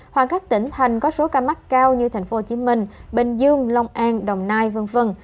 hoặc các tỉnh thành có số ca mắc cao như tp hcm bình dương long an đồng nai v v